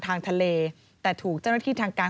ทางทะเลแต่ถูกเจ้าหน้าที่ทางการ